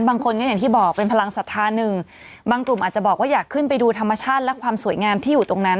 บางคนก็อย่างที่บอกเป็นพลังศรัทธาหนึ่งบางกลุ่มอาจจะบอกว่าอยากขึ้นไปดูธรรมชาติและความสวยงามที่อยู่ตรงนั้น